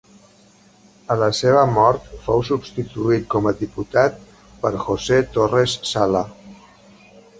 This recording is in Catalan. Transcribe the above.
A la seva mort fou substituït com a diputat per José Torres Sala.